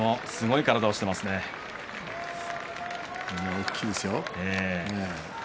大きいですよ。